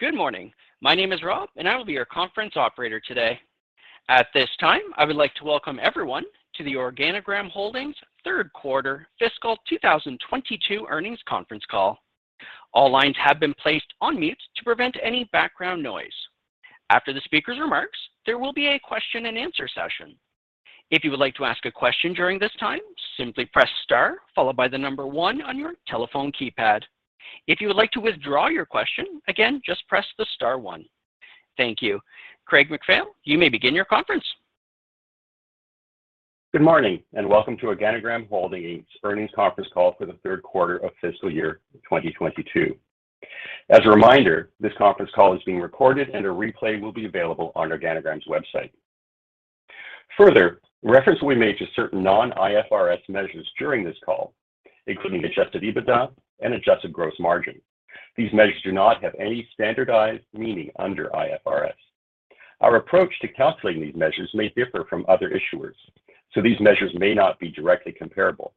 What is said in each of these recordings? Good morning. My name is Rob, and I will be your conference operator today. At this time, I would like to welcome everyone to the Organigram Holdings Third Quarter Fiscal 2022 Earnings Conference Call. All lines have been placed on mute to prevent any background noise. After the speaker's remarks, there will be a question-and-answer session. If you would like to ask a question during this time, simply press star followed by the number one on your telephone keypad. If you would like to withdraw your question, again, just press the star one Thank you. Craig MacPhail, you may begin your conference. Good morning and welcome to Organigram Holdings Inc.'s earnings conference call for the third quarter of fiscal year 2022. As a reminder, this conference call is being recorded, and a replay will be available on Organigram's website. Further, reference will be made to certain non-IFRS measures during this call, including adjusted EBITDA and adjusted gross margin. These measures do not have any standardized meaning under IFRS. Our approach to calculating these measures may differ from other issuers, so these measures may not be directly comparable.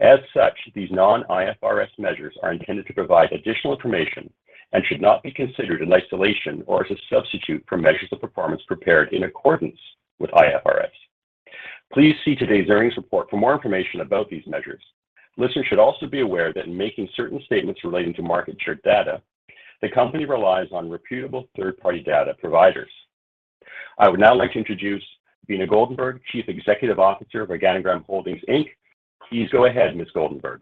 As such, these non-IFRS measures are intended to provide additional information and should not be considered in isolation or as a substitute for measures of performance prepared in accordance with IFRS. Please see today's earnings report for more information about these measures. Listeners should also be aware that in making certain statements relating to market share data, the company relies on reputable third-party data providers. I would now like to introduce Beena Goldenberg, Chief Executive Officer of Organigram Holdings Inc. Please go ahead, Ms. Goldenberg.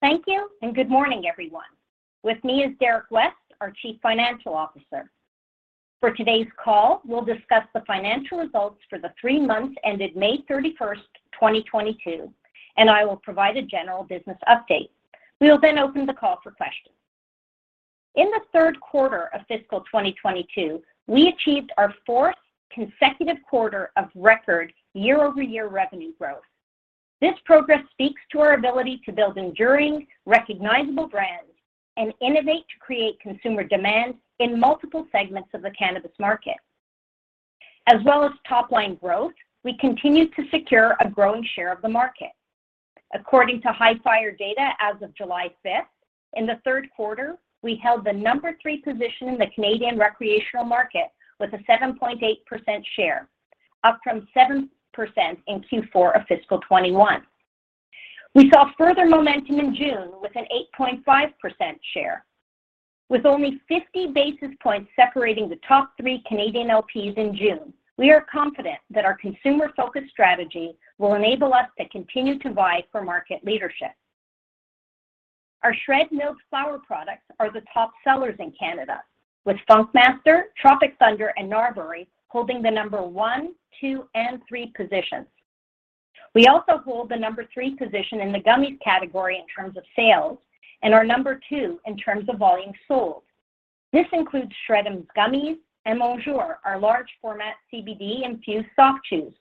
Thank you, and good morning, everyone. With me is Derrick West, our Chief Financial Officer. For today's call, we'll discuss the financial results for the three months ended May 31st, 2022, and I will provide a general business update. We will then open the call for questions. In the third quarter of fiscal 2022, we achieved our fourth consecutive quarter of record year-over-year revenue growth. This progress speaks to our ability to build enduring, recognizable brands and innovate to create consumer demand in multiple segments of the cannabis market. As well as top-line growth, we continue to secure a growing share of the market. According to Hifyre as of July 5th, in the third quarter, we held the number three position in the Canadian recreational market with a 7.8% share, up from 7% in Q4 of fiscal 2021. We saw further momentum in June with an 8.5% share. With only 50 basis points separating the top three Canadian LPs in June, we are confident that our consumer-focused strategy will enable us to continue to vie for market leadership. Our SHRED milled flower products are the top sellers in Canada, with Funk Master, Tropic Thunder, and Gnarberry holding the number one, two, and three positions. We also hold the number three position in the gummies category in terms of sales and are number two in terms of volume sold. This includes SHRED'ems and Monjour, our large format CBD-infused soft chews,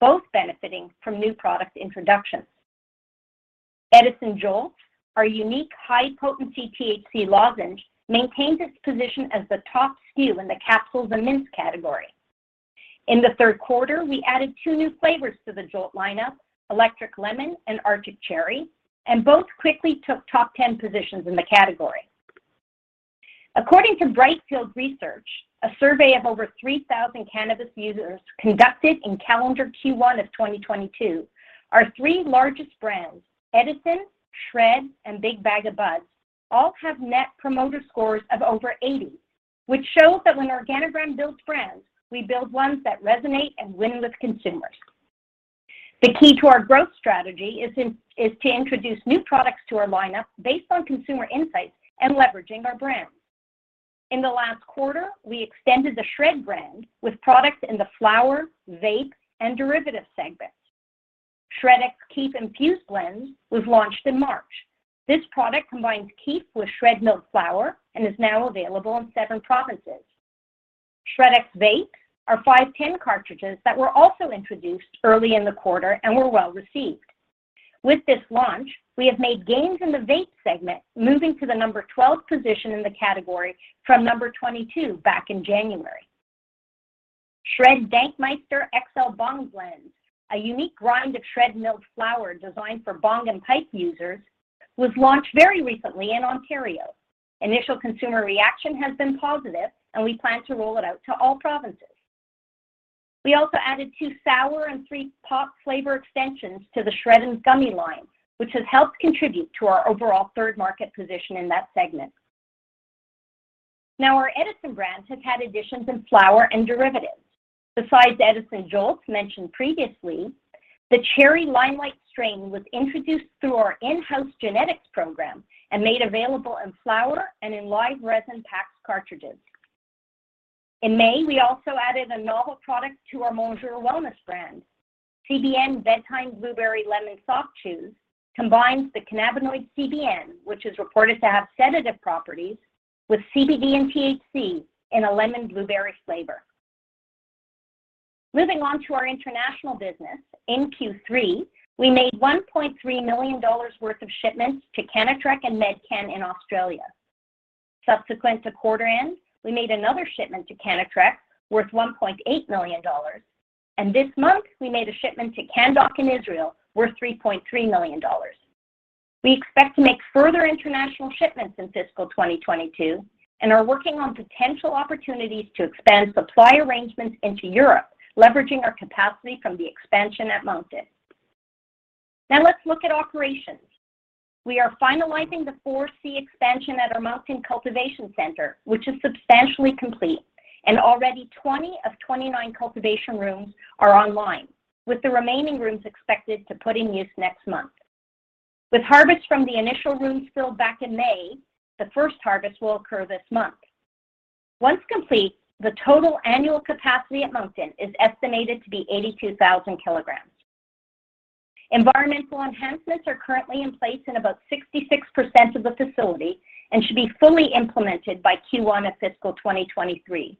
both benefiting from new product introductions. Edison Jolt, our unique high-potency THC lozenge, maintains its position as the top SKU in the capsules and mints category. In the third quarter, we added two new flavors to the Jolt lineup, Electric Lemon and Arctic Cherry, and both quickly took top 10 positions in the category. According to Brightfield Research, a survey of over 3,000 cannabis users conducted in calendar Q1 of 2022, our three largest brands, Edison, SHRED, and Big Bag of Buds, all have net promoter scores of over 80, which shows that when Organigram builds brands, we build ones that resonate and win with consumers. The key to our growth strategy is to introduce new products to our lineup based on consumer insights and leveraging our brands. In the last quarter, we extended the SHRED brand with products in the flower, vape, and derivative segments. SHRED X Kief-Infused Blends was launched in March. This product combines kief with SHRED milled flower and is now available in seven provinces. SHRED X Vapes are 510 cartridges that were also introduced early in the quarter and were well-received. With this launch, we have made gains in the vape segment, moving to the number 12 position in the category from number 22 back in January. SHRED Dankmeister XL Bong Blend, a unique grind of SHRED milled flower designed for bong and pipe users, was launched very recently in Ontario. Initial consumer reaction has been positive, and we plan to roll it out to all provinces. We also added two sour and three pop flavor extensions to the SHRED'ems gummy line, which has helped contribute to our overall third market position in that segment. Now, our Edison brand has had additions in flower and derivatives. Besides Edison Jolt mentioned previously, the Cherry Limelight strain was introduced through our in-house genetics program and made available in flower and in live resin packs, cartridges. In May, we also added a novel product to our Monjour wellness brand. CBN Bedtime Blueberry Lemon soft chews combines the cannabinoid CBN, which is reported to have sedative properties, with CBD and THC in a lemon blueberry flavor. Moving on to our international business, in Q3, we made 1.3 million dollars worth of shipments to Cannatrek and Medcan in Australia. Subsequent to quarter end, we made another shipment to Cannatrek worth 1.8 million dollars. This month, we made a shipment to Canndoc in Israel worth 3.3 million dollars. We expect to make further international shipments in fiscal 2022, and are working on potential opportunities to expand supply arrangements into Europe, leveraging our capacity from the expansion at Moncton. Now let's look at operations. We are finalizing the Phase 4C expansion at our Moncton cultivation center, which is substantially complete. Already 20 of 29 cultivation rooms are online, with the remaining rooms expected to put in use next month. With harvest from the initial rooms filled back in May, the first harvest will occur this month. Once complete, the total annual capacity at Moncton is estimated to be 82,000 kg. Environmental enhancements are currently in place in about 66% of the facility and should be fully implemented by Q1 of fiscal 2023.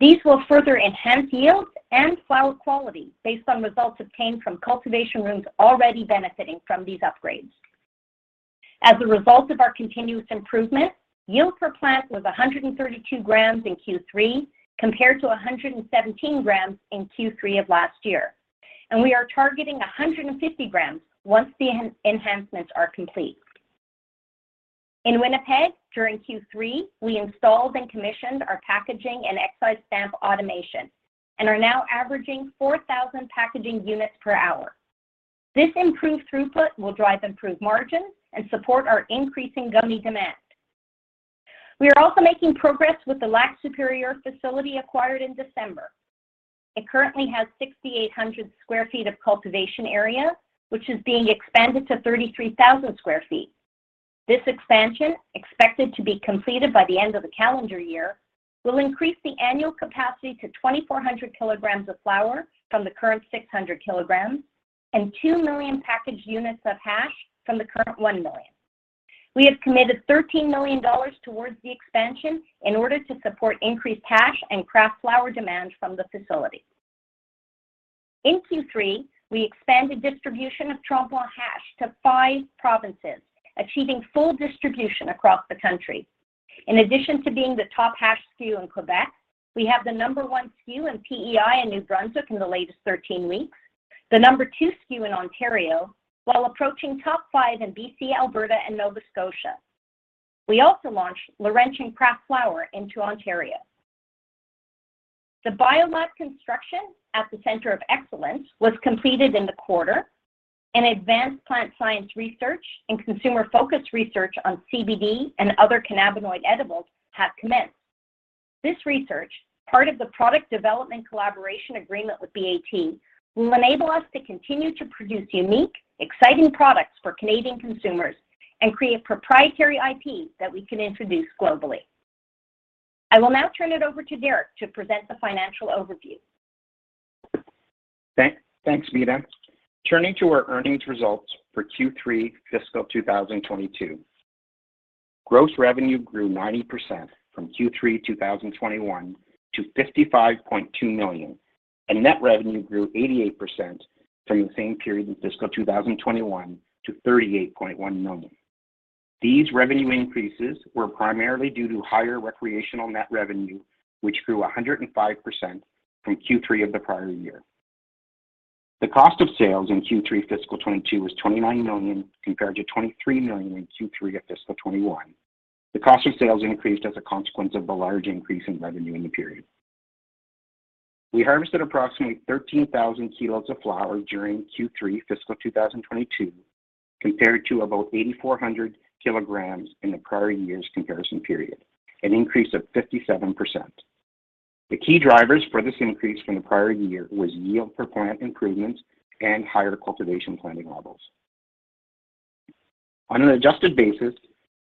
These will further enhance yields and flower quality based on results obtained from cultivation rooms already benefiting from these upgrades. As a result of our continuous improvements, yield per plant was 132 g in Q3, compared to 117 g in Q3 of last year, and we are targeting 150 g once the enhancements are complete. In Winnipeg, during Q3, we installed and commissioned our packaging and excise stamp automation and are now averaging 4,000 packaging units per hour. This improved throughput will drive improved margins and support our increasing gummy demand. We are also making progress with the Lac-Supérieur facility acquired in December. It currently has 6,800 sq ft of cultivation area, which is being expanded to 33,000 sq ft. This expansion, expected to be completed by the end of the calendar year, will increase the annual capacity to 2,400 kg of flower from the current 600 kg and 2 million packaged units of hash from the current 1 million. We have committed 13 million dollars towards the expansion in order to support increased hash and craft flower demand from the facility. In Q3, we expanded distribution of Trois Bois hash to five provinces, achieving full distribution across the country. In addition to being the top hash SKU in Quebec, we have the number one SKU in PEI and New Brunswick in the latest 13 weeks, the number two SKU in Ontario while approaching top five in BC, Alberta, and Nova Scotia. We also launched Laurentian craft flower into Ontario. The biomass construction at the Center of Excellence was completed in the quarter and advanced plant science research and consumer-focused research on CBD and other cannabinoid edibles have commenced. This research, part of the product development collaboration agreement with BAT, will enable us to continue to produce unique, exciting products for Canadian consumers and create proprietary IP that we can introduce globally. I will now turn it over to Derrick to present the financial overview. Thanks, Beena. Turning to our earnings results for Q3 fiscal 2022. Gross revenue grew 90% from Q3 2021 to 55.2 million, and net revenue grew 88% from the same period in fiscal 2021 to 38.1 million. These revenue increases were primarily due to higher recreational net revenue, which grew 105% from Q3 of the prior year. The cost of sales in Q3 fiscal 2022 was 29 million, compared to 23 million in Q3 of fiscal 2021. The cost of sales increased as a consequence of the large increase in revenue in the period. We harvested approximately 13,000 kg of flower during Q3 fiscal 2022, compared to about 8,400 kg in the prior year's comparison period, an increase of 57%. The key drivers for this increase from the prior year was yield per plant improvements and higher cultivation planting levels. On an adjusted basis,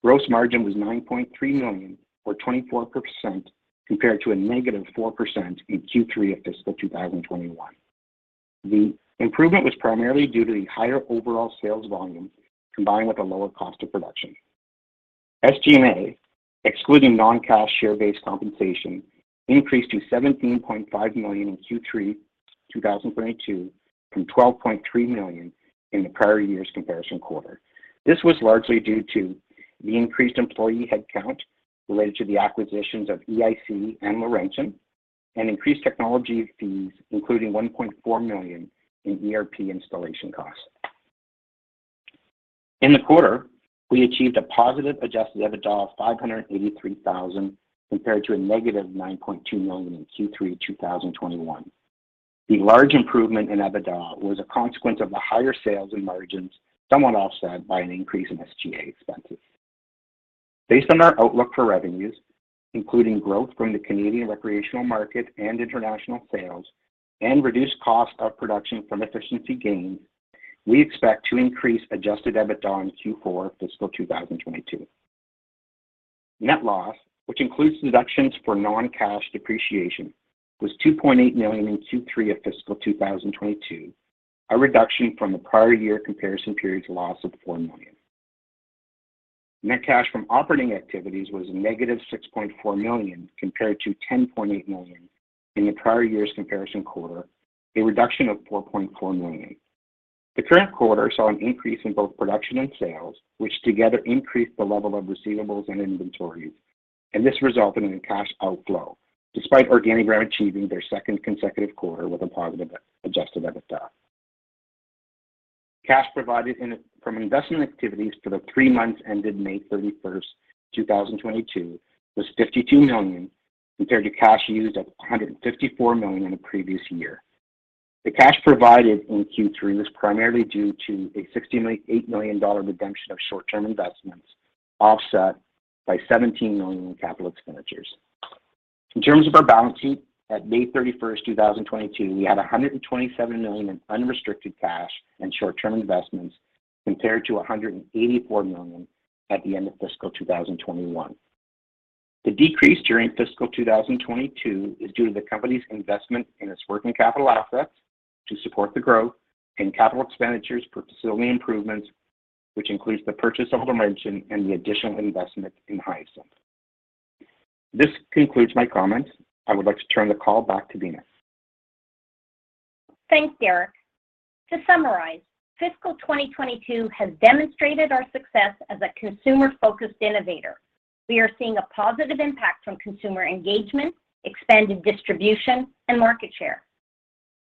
gross margin was 9.3 million or 24%, compared to a -4% in Q3 of fiscal 2021. The improvement was primarily due to the higher overall sales volume, combined with a lower cost of production. SG&A, excluding non-cash share-based compensation, increased to 17.5 million in Q3 2022 from 12.3 million in the prior year's comparison quarter. This was largely due to the increased employee headcount related to the acquisitions of EIC and Laurentian and increased technology fees, including 1.4 million in ERP installation costs. In the quarter, we achieved a positive adjusted EBITDA of 583,000, compared to a -9.2 million in Q3 2021. The large improvement in EBITDA was a consequence of the higher sales and margins, somewhat offset by an increase in SG&A expenses. Based on our outlook for revenues, including growth from the Canadian recreational market and international sales, and reduced cost of production from efficiency gains, we expect to increase adjusted EBITDA in Q4 fiscal 2022. Net loss, which includes deductions for non-cash depreciation, was 2.8 million in Q3 of fiscal 2022, a reduction from the prior year comparison period's loss of 4 million. Net cash from operating activities was -6.4 million, compared to 10.8 million in the prior year's comparison quarter, a reduction of 4.4 million. The current quarter saw an increase in both production and sales, which together increased the level of receivables and inventories, and this resulted in a cash outflow despite Organigram achieving their second consecutive quarter with a positive adjusted EBITDA. Cash provided from investment activities for the three months ended May 31st, 2022 was 52 million, compared to cash used of 154 million in the previous year. The cash provided in Q3 was primarily due to a 68 million dollar redemption of short-term investments, offset by 17 million in capital expenditures. In terms of our balance sheet, at May 31st, 2022, we had 127 million in unrestricted cash and short-term investments, compared to 184 million at the end of fiscal 2021. The decrease during fiscal 2022 is due to the company's investment in its working capital assets to support the growth and capital expenditures for facility improvements, which includes the purchase of Laurentian and the additional investment in Hyasynth. This concludes my comments. I would like to turn the call back to Beena. Thanks, Derrick. To summarize, fiscal 2022 has demonstrated our success as a consumer-focused innovator. We are seeing a positive impact from consumer engagement, expanded distribution, and market share.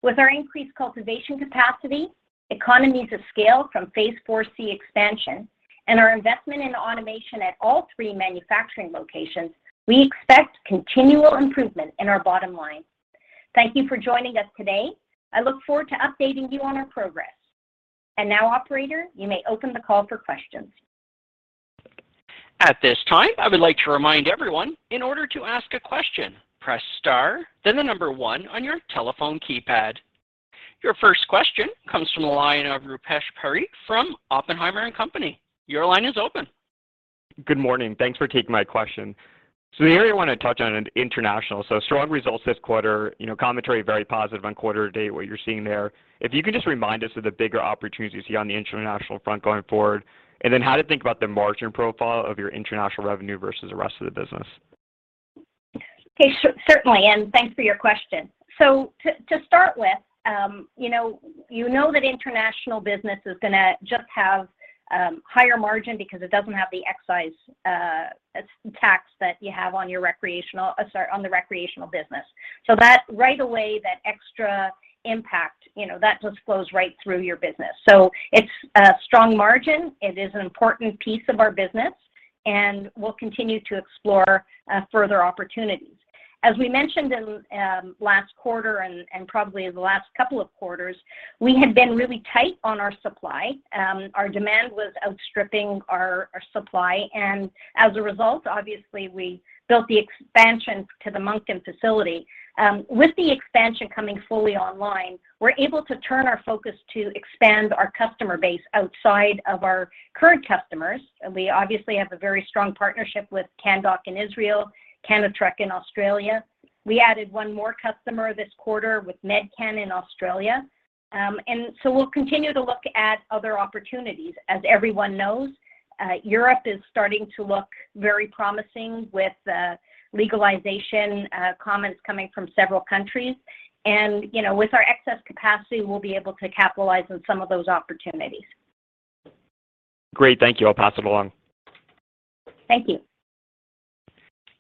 With our increased cultivation capacity, economies of scale from Phase 4C expansion, and our investment in automation at all three manufacturing locations, we expect continual improvement in our bottom line. Thank you for joining us today. I look forward to updating you on our progress. Now, operator, you may open the call for questions. At this time, I would like to remind everyone, in order to ask a question, press star then the number one on your telephone keypad. Your first question comes from the line of Rupesh Parikh from Oppenheimer & Co.. Your line is open. Good morning. Thanks for taking my question. The area I want to touch on in international, so strong results this quarter, you know, commentary very positive on quarter to date, what you're seeing there. If you could just remind us of the bigger opportunities you see on the international front going forward, and then how to think about the margin profile of your international revenue versus the rest of the business. Okay. Certainly, thanks for your question. To start with, you know that international business is gonna just have higher margin because it doesn't have the excise tax that you have on your recreational business. That right away, that extra impact, you know, that just flows right through your business. It's a strong margin. It is an important piece of our business, and we'll continue to explore further opportunities. As we mentioned in last quarter and probably the last couple of quarters, we had been really tight on our supply. Our demand was outstripping our supply, and as a result, obviously, we built the expansion to the Moncton facility. With the expansion coming fully online, we're able to turn our focus to expand our customer base outside of our current customers. We obviously have a very strong partnership with Canndoc in Israel, Cannatrek in Australia. We added one more customer this quarter with Medcan Australia. We'll continue to look at other opportunities. As everyone knows, Europe is starting to look very promising with legalization comments coming from several countries. You know, with our excess capacity, we'll be able to capitalize on some of those opportunities. Great. Thank you. I'll pass it along. Thank you.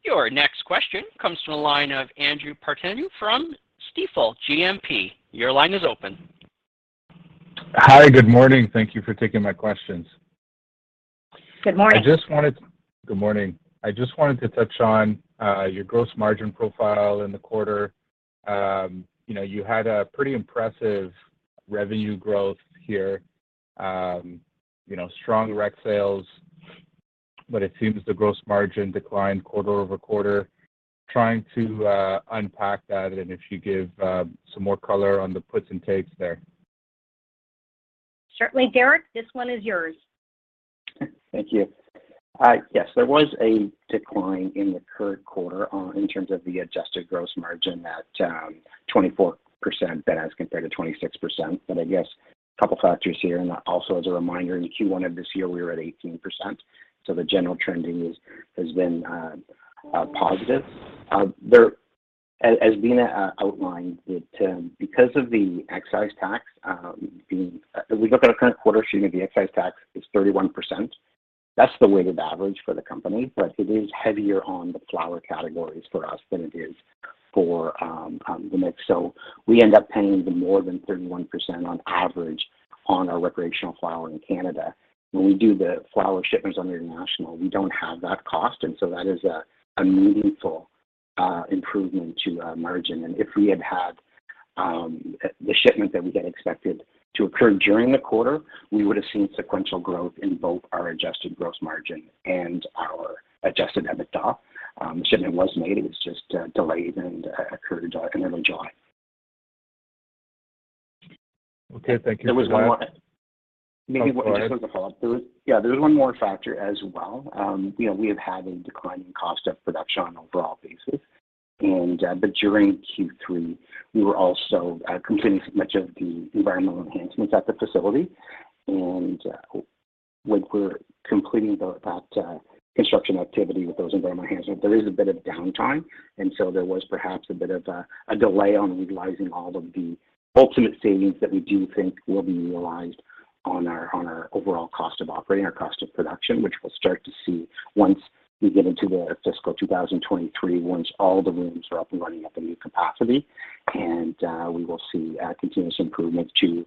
Your next question comes from the line of Andrew Partheniou from Stifel GMP. Your line is open. Hi. Good morning. Thank you for taking my questions. Good morning. Good morning. I just wanted to touch on your gross margin profile in the quarter. You know, you had a pretty impressive revenue growth here. You know, strong rec sales, but it seems the gross margin declined quarter-over-quarter. Trying to unpack that and if you'd give some more color on the puts and takes there. Certainly. Derrick, this one is yours. Thank you. Yes, there was a decline in the current quarter in terms of the adjusted gross margin at 24% down as compared to 26%. I guess a couple factors here, and also as a reminder, in Q1 of this year we were at 18%, so the general trending is, has been positive. As Beena outlined it because of the excise tax, as we look at our current quarter, assuming the excise tax is 31%, that's the weighted average for the company, but it is heavier on the flower categories for us than it is for the mix. We end up paying more than 31% on average on our recreational flower in Canada. When we do the flower shipments on international, we don't have that cost, and so that is a meaningful improvement to our margin. If we had had the shipment that we had expected to occur during the quarter, we would have seen sequential growth in both our adjusted gross margin and our adjusted EBITDA. The shipment was made. It was just delayed and occurred in early July. Okay. Thank you. There was one- I'm sorry. Maybe just as a follow-up to it. Yeah, there was one more factor as well. You know, we have had a decline in cost of production on an overall basis, and but during Q3, we were also completing much of the environmental enhancements at the facility. When we're completing that construction activity with those environmental enhancements, there is a bit of downtime. There was perhaps a bit of a delay on realizing all of the ultimate savings that we do think will be realized on our overall cost of operating, our cost of production, which we'll start to see once we get into the fiscal 2023, once all the rooms are up and running at the new capacity. We will see a continuous improvement to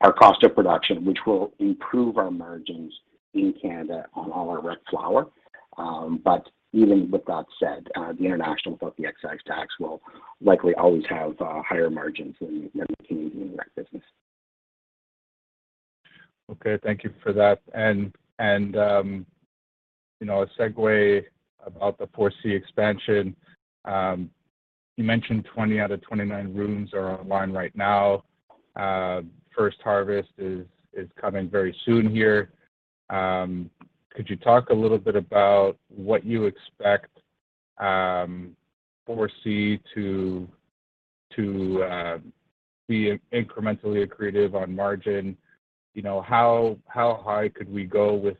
our cost of production, which will improve our margins in Canada on all our rec flower. Even with that said, the international without the excise tax will likely always have higher margins than the Canadian rec business. Okay, thank you for that. You know, a segue about the Phase 4C expansion. You mentioned 20 out of 29 rooms are online right now. First harvest is coming very soon here. Could you talk a little bit about what you expect 4C to be incrementally accretive on margin? You know, how high could we go with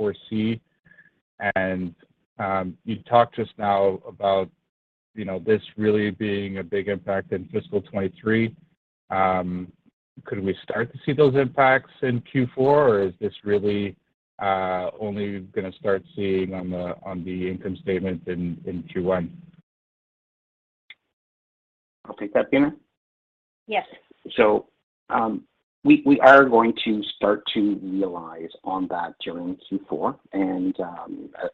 4C? You talked just now about you know, this really being a big impact in fiscal 2023. Could we start to see those impacts in Q4, or is this really only gonna start seeing on the income statement in Q1? I'll take that, Beena? Yes. We are going to start to realize on that during Q4.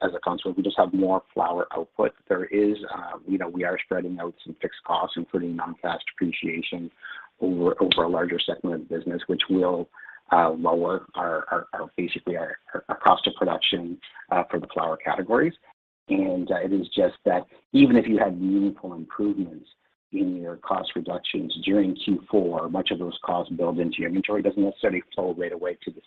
As a consequence, we just have more flower output. You know, we are spreading out some fixed costs, including non-cash depreciation over a larger segment of the business, which will lower our cost of production basically for the flower categories. It is just that even if you had meaningful improvements in your cost reductions during Q4, much of those costs build into your inventory. It doesn't necessarily flow right away to the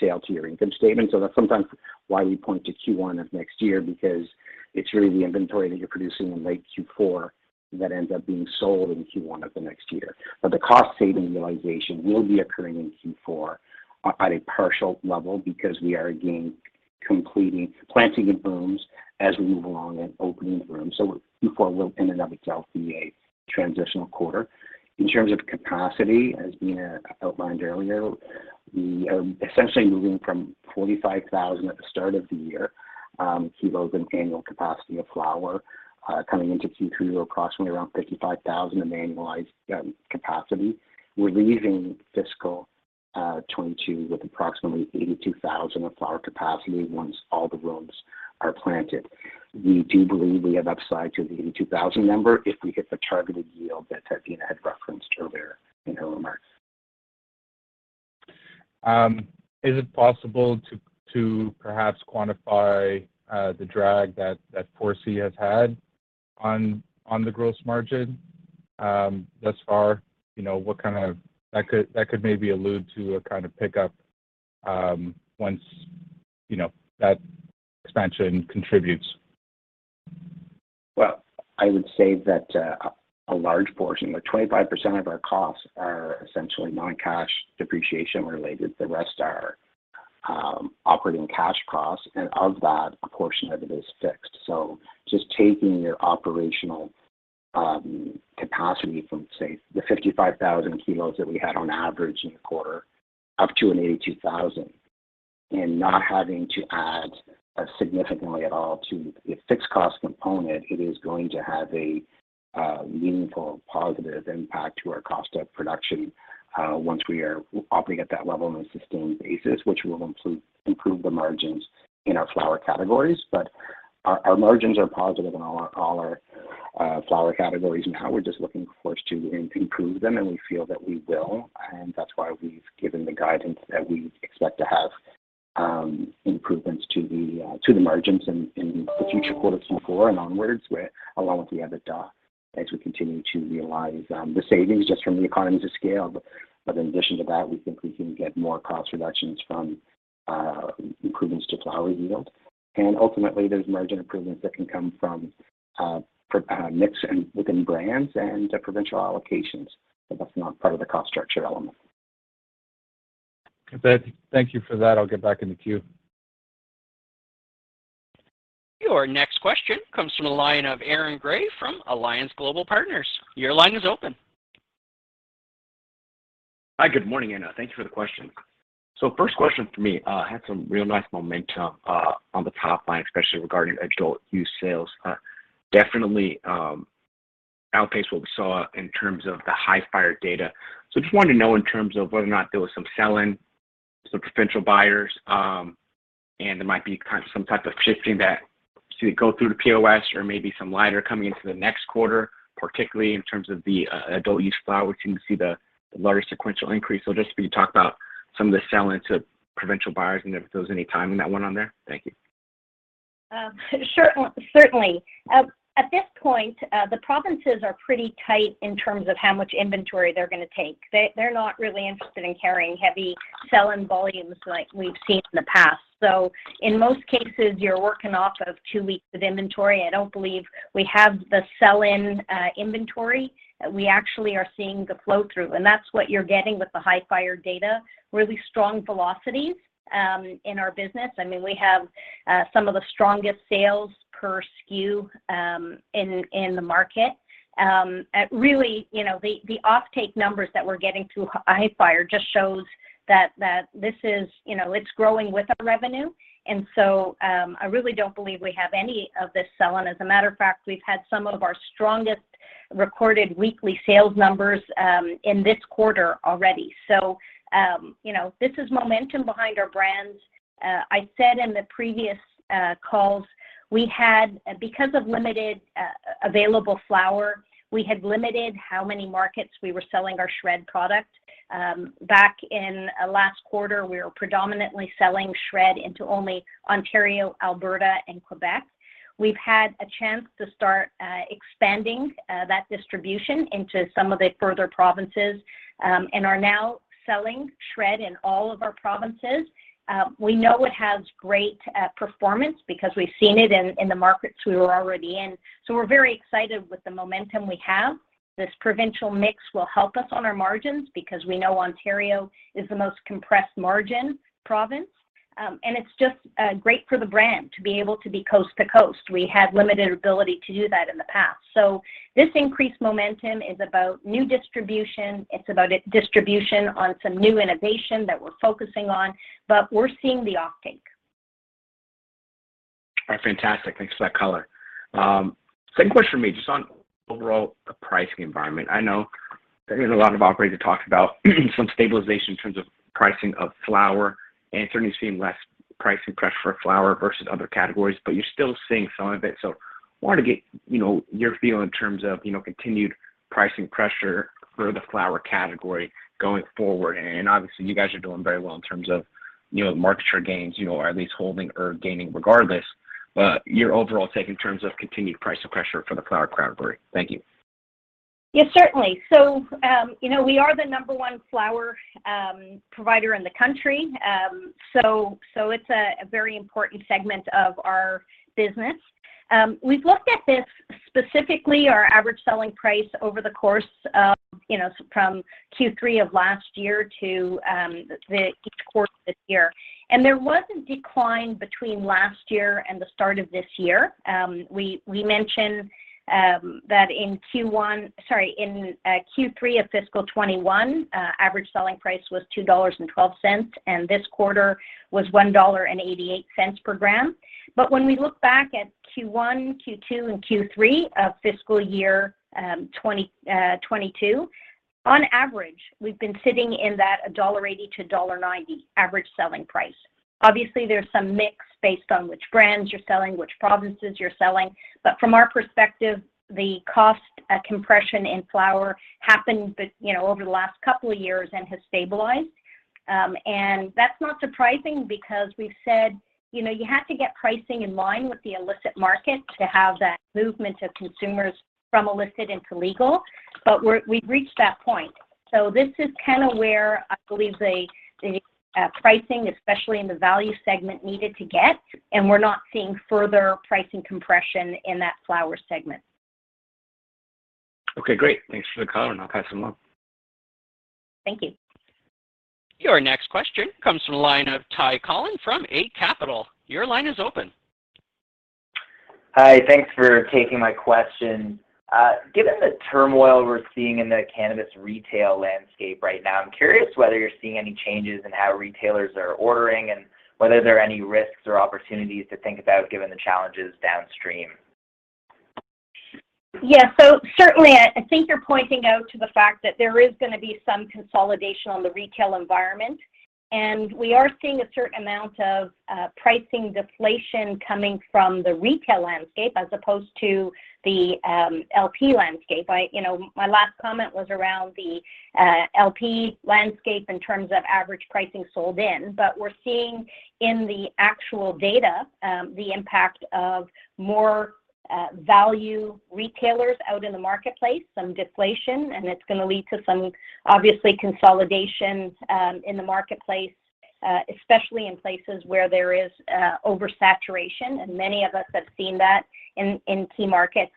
sales on your income statement. That's sometimes why we point to Q1 of next year because it's really the inventory that you're producing in late Q4 that ends up being sold in Q1 of the next year. The cost-saving realization will be occurring in Q4 at a partial level because we are again completing planting in rooms as we move along and opening the rooms. Q4 will in and of itself be a transitional quarter. In terms of capacity, as Beena outlined earlier, we are essentially moving from 45,000 at the start of the year kilos in annual capacity of flower, coming into Q3 with approximately around 55,000 in annualized capacity. We're leaving fiscal 2022 with approximately 82,000 of flower capacity once all the rooms are planted. We do believe we have upside to the 82,000 number if we hit the targeted yield that Beena had referenced earlier in her remarks. Is it possible to perhaps quantify the drag that 4C has had on the gross margin thus far? That could maybe allude to a kind of pickup once that expansion contributes. Well, I would say that a large portion, like 25% of our costs are essentially non-cash depreciation related. The rest are operating cash costs. Of that, a portion of it is fixed. Just taking your operational capacity from, say, the 55,000 kg that we had on average in a quarter up to an 82,000 and not having to add significantly at all to the fixed cost component, it is going to have a meaningful positive impact to our cost of production once we are operating at that level on a sustained basis, which will improve the margins in our flower categories. Our margins are positive in all our flower categories. Now we're just looking for us to improve them, and we feel that we will. That's why we've given the guidance that we expect to have improvements to the margins in the future quarters from four and onwards with the EBITDA as we continue to realize the savings just from the economies of scale. In addition to that, we think we can get more cost reductions from improvements to flower yield. Ultimately, there's margin improvements that can come from mix and within brands and provincial allocations, but that's not part of the cost structure element. Thank you for that. I'll get back in the queue. Your next question comes from the line of Aaron Grey from Alliance Global Partners. Your line is open. Hi, good morning, thank you for the question. First question for me had some real nice momentum on the top line, especially regarding adult use sales. Definitely outpaced what we saw in terms of the Hifyre data. Just wanted to know in terms of whether or not there was some sell-in to provincial buyers, and there might be kind of some type of shifting that to go through the POS or maybe some lighter coming into the next quarter, particularly in terms of the adult use flower, which you can see the larger sequential increase. Just for you to talk about some of the sell-in to provincial buyers and if there was any timing that went on there. Thank you. Certainly. At this point, the provinces are pretty tight in terms of how much inventory they're gonna take. They're not really interested in carrying heavy sell-in volumes like we've seen in the past. In most cases, you're working off of two weeks of inventory. I don't believe we have the sell-in inventory. We actually are seeing the flow-through, and that's what you're getting with the Hifyre data, really strong velocities in our business. I mean, we have some of the strongest sales per SKU in the market. Really, you know, the offtake numbers that we're getting through Hifyre just shows that this is, you know, it's growing with our revenue. I really don't believe we have any of this sell-in. As a matter of fact, we've had some of our strongest recorded weekly sales numbers in this quarter already. You know, this is momentum behind our brands. I said in the previous calls because of limited available flower, we had limited how many markets we were selling our SHRED product. Back in last quarter, we were predominantly selling SHRED into only Ontario, Alberta, and Quebec. We've had a chance to start expanding that distribution into some of the further provinces and are now selling SHRED in all of our provinces. We know it has great performance because we've seen it in the markets we were already in. We're very excited with the momentum we have. This provincial mix will help us on our margins because we know Ontario is the most compressed margin province. It's just great for the brand to be able to be coast to coast. We had limited ability to do that in the past. This increased momentum is about new distribution. It's about distribution on some new innovation that we're focusing on, but we're seeing the offtake. All right. Fantastic. Thanks for that color. Second question for me, just on overall pricing environment. I know there have been a lot of operators that talked about some stabilization in terms of pricing of flower, and certainly seeing less pricing pressure for flower versus other categories, but you're still seeing some of it. Wanted to get, you know, your feel in terms of, you know, continued pricing pressure for the flower category going forward. Obviously, you guys are doing very well in terms of, you know, market share gains, you know, or at least holding or gaining regardless. Your overall take in terms of continued pricing pressure for the flower category. Thank you. Yeah, certainly. So, you know, we are the number one flower provider in the country. So, it's a very important segment of our business. We've looked at this, specifically our average selling price over the course of, you know, from Q3 of last year to each quarter this year. There was a decline between last year and the start of this year. We mentioned that in Q3 of fiscal 2021, average selling price was 2.12 dollars, and this quarter was 1.88 dollar per gram. When we look back at Q1, Q2, and Q3 of fiscal year 2022, on average, we've been sitting in that 1.80-1.90 dollar average selling price. Obviously, there's some mix based on which brands you're selling, which provinces you're selling. From our perspective, the cost compression in flower happened you know, over the last couple of years and has stabilized. That's not surprising because we've said, you know, you have to get pricing in line with the illicit market to have that movement of consumers from illicit into legal. We've reached that point. This is kind of where I believe the pricing, especially in the value segment, needed to get, and we're not seeing further pricing compression in that flower segment. Okay, great. Thanks for the color, and I'll pass them along. Thank you. Your next question comes from the line of Ty Collin from Eight Capital. Your line is open. Hi. Thanks for taking my question. Given the turmoil we're seeing in the cannabis retail landscape right now, I'm curious whether you're seeing any changes in how retailers are ordering and whether there are any risks or opportunities to think about given the challenges downstream? Yeah. Certainly, I think you're pointing out to the fact that there is gonna be some consolidation on the retail environment, and we are seeing a certain amount of pricing deflation coming from the retail landscape as opposed to the LP landscape. You know, my last comment was around the LP landscape in terms of average pricing sold in. We're seeing in the actual data the impact of more value retailers out in the marketplace, some deflation, and it's gonna lead to some, obviously, consolidation in the marketplace, especially in places where there is oversaturation, and many of us have seen that in key markets.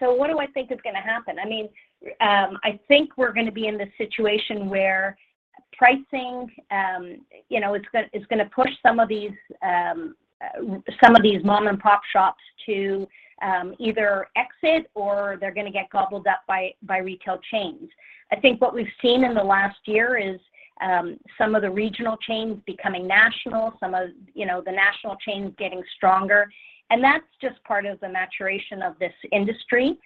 What do I think is gonna happen? I mean, I think we're gonna be in this situation where pricing, you know, it's gonna push some of these mom-and-pop shops to either exit or they're gonna get gobbled up by retail chains. I think what we've seen in the last year is some of the regional chains becoming national, some of, you know, the national chains getting stronger, and that's just part of the maturation of this industry.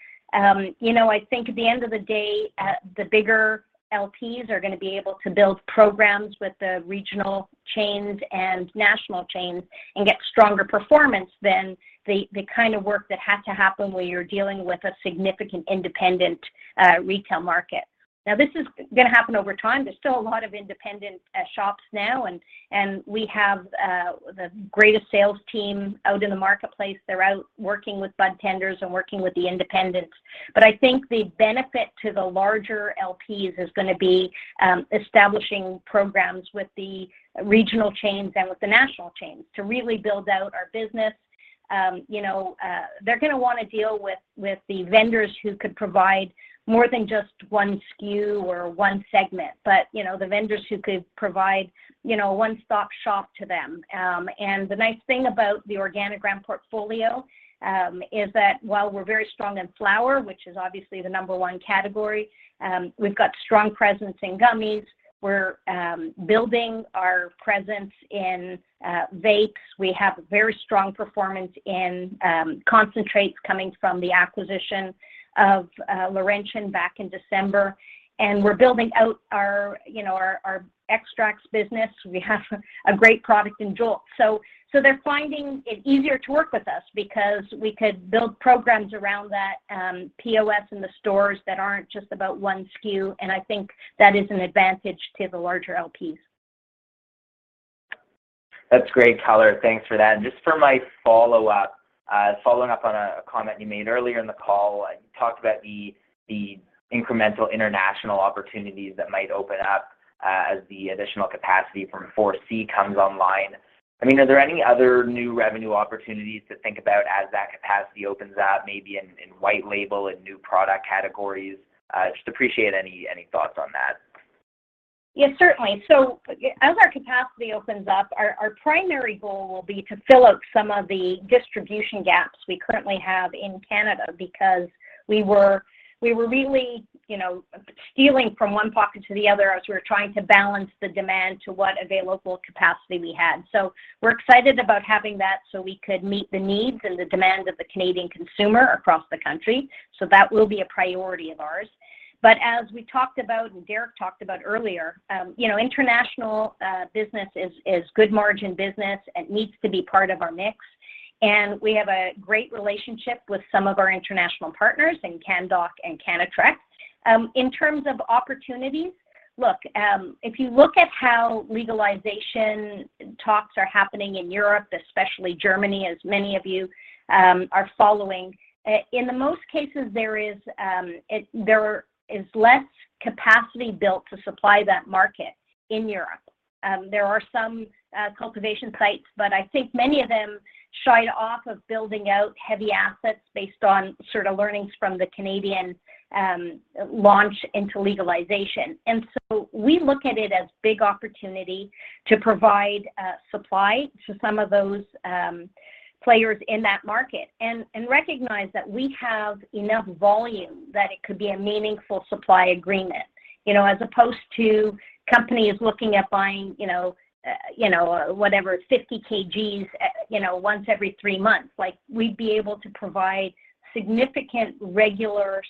You know, I think at the end of the day, the bigger LPs are gonna be able to build programs with the regional chains and national chains and get stronger performance than the kind of work that had to happen where you're dealing with a significant independent retail market. Now, this is gonna happen over time. There's still a lot of independent shops now and we have the greatest sales team out in the marketplace. They're out working with budtenders and working with the independents. I think the benefit to the larger LPs is gonna be establishing programs with the regional chains and with the national chains to really build out our business. You know, they're gonna wanna deal with the vendors who could provide more than just one SKU or one segment you know the vendors who could provide you know a one-stop shop to them. The nice thing about the Organigram portfolio is that while we're very strong in flower, which is obviously the number one category, we've got strong presence in gummies, we're building our presence in vapes. We have a very strong performance in concentrates coming from the acquisition of Laurentian back in December, and we're building out our you know our extracts business. We have a great product in Jolt. They're finding it easier to work with us because we could build programs around that POS in the stores that aren't just about one SKU, and I think that is an advantage to the larger LPs. That's great color. Thanks for that. Just for my follow-up, following up on a comment you made earlier in the call, you talked about the incremental international opportunities that might open up, as the additional capacity from 4C comes online. I mean, are there any other new revenue opportunities to think about as that capacity opens up, maybe in white label, in new product categories? Just appreciate any thoughts on that. Yeah, certainly. As our capacity opens up, our primary goal will be to fill out some of the distribution gaps we currently have in Canada because we were really, you know, stealing from one pocket to the other as we were trying to balance the demand to what available capacity we had. We're excited about having that so we could meet the needs and the demands of the Canadian consumer across the country, so that will be a priority of ours. As we talked about and Derrick talked about earlier, you know, international business is good margin business and needs to be part of our mix, and we have a great relationship with some of our international partners in Canndoc and Cannatrek. In terms of opportunities, look, if you look at how legalization talks are happening in Europe, especially Germany, as many of you are following, in the most cases there is less capacity built to supply that market in Europe. There are some cultivation sites, but I think many of them shied off of building out heavy assets based on sort of learnings from the Canadian launch into legalization. We look at it as big opportunity to provide supply to some of those players in that market and recognize that we have enough volume that it could be a meaningful supply agreement, you know, as opposed to companies looking at buying, you know, whatever 50 kg, you know, once every three months. Like we'd be able to provide significant regular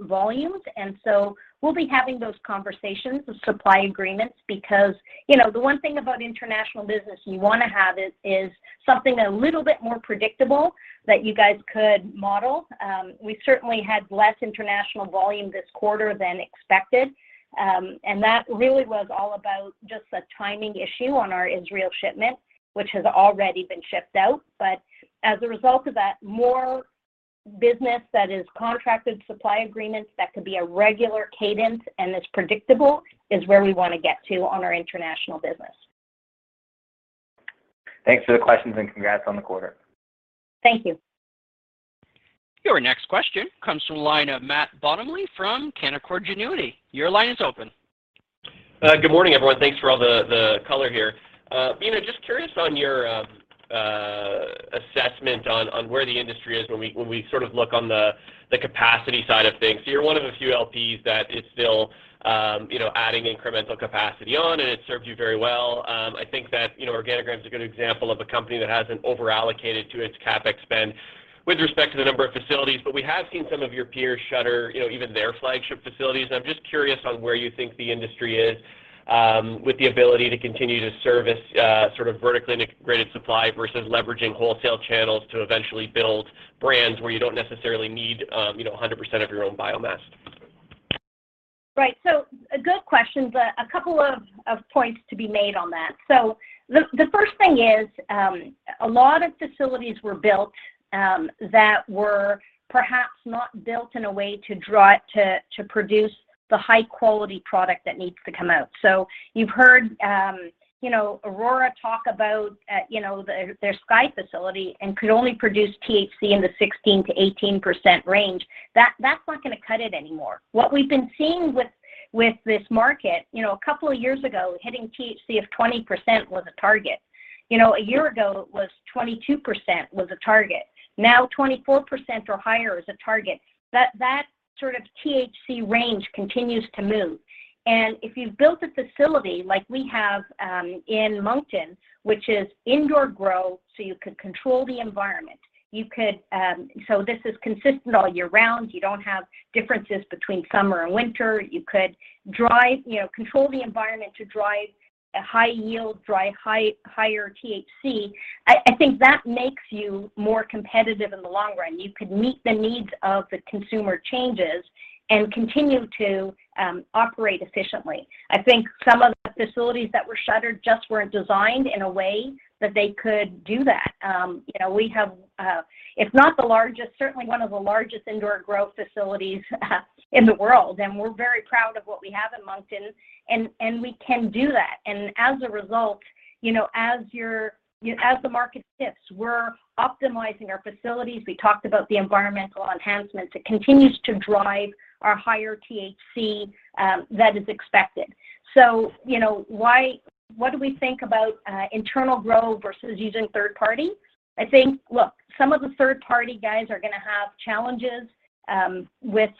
volumes, and so we'll be having those conversations with supply agreements because, you know, the one thing about international business you wanna have is something a little bit more predictable that you guys could model. We certainly had less international volume this quarter than expected, and that really was all about just a timing issue on our Israel shipment, which has already been shipped out. As a result of that, more business that is contracted supply agreements that could be a regular cadence and is predictable is where we wanna get to on our international business. Thanks for the questions and congrats on the quarter. Thank you. Your next question comes from the line of Matt Bottomley from Canaccord Genuity. Your line is open. Good morning, everyone. Thanks for all the color here. You know, just curious on your assessment on where the industry is when we sort of look on the capacity side of things. You're one of the few LPs that is still, you know, adding incremental capacity on, and it's served you very well. I think that, you know, Organigram is a good example of a company that hasn't over-allocated to its CapEx spend with respect to the number of facilities, but we have seen some of your peers shutter, you know, even their flagship facilities, and I'm just curious on where you think the industry is, with the ability to continue to service, sort of vertically integrated supply versus leveraging wholesale channels to eventually build brands where you don't necessarily need, you know, 100% of your own biomass. Right. A good question, but a couple of points to be made on that. The first thing is, a lot of facilities were built that were perhaps not built in a way to produce the high quality product that needs to come out. You've heard, you know, Aurora talk about, you know, their Sky facility and could only produce THC in the 16%-18% range. That, that's not gonna cut it anymore. What we've been seeing with this market, you know, a couple of years ago, hitting THC of 20% was a target. You know, a year ago it was 22% was a target. Now 24% or higher is a target. That sort of THC range continues to move. If you've built a facility like we have in Moncton, which is indoor grow, so you could control the environment, you could, so this is consistent all year round. You don't have differences between summer and winter. You could dry, you know, control the environment to drive a high yield, dry high, higher THC. I think that makes you more competitive in the long run. You could meet the needs of the consumer changes and continue to operate efficiently. I think some of the facilities that were shuttered just weren't designed in a way that they could do that. You know, we have, if not the largest, certainly one of the largest indoor growth facilities in the world. We're very proud of what we have in Moncton, and we can do that. As a result, as the market shifts, we're optimizing our facilities. We talked about the environmental enhancements that continues to drive our higher THC that is expected. What do we think about internal growth versus using third party? Look, some of the third party guys are gonna have challenges with